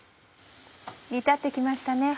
煮立って来ましたね。